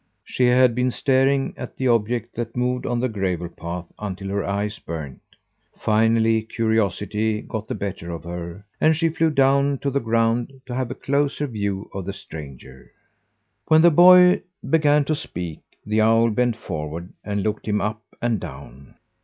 She had been staring at the object that moved on the gravel path until her eyes burned. Finally curiosity got the better of her and she flew down to the ground to have a closer view of the stranger. When the boy began to speak, the owl bent forward and looked him up and down.